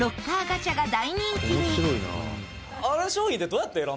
ガチャが大人気に！